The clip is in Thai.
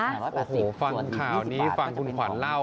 โอ้โหฟังข่าวนี้ฟังคุณขวัญเล่า